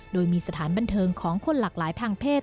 โดยมีสถานบันเทิงของคนหลากหลายทางเพศ